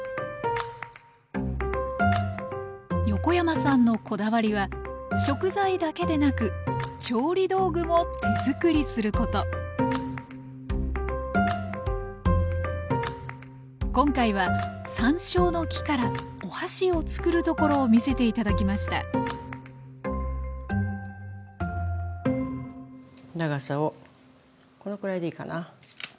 横山さんのこだわりは食材だけでなく調理道具も手作りすること今回は山椒の木からお箸を作るところを見せて頂きました長さをこのくらいでいいかな。